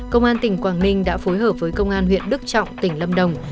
công an tỉnh quảng ninh đã phối hợp với công an huyện đức trọng tỉnh lâm đồng